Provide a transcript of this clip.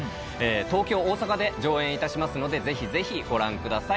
東京大阪で上演いたしますのでぜひぜひご覧ください。